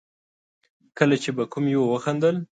کله چې به کوم يوه وخندل.